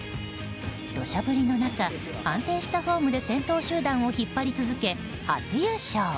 土砂降りの中安定したフォームで先頭集団を引っ張り続け初優勝。